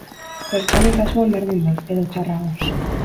Pertsonen kasuan berdin da, edo txarrago.